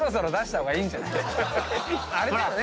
あれだよね。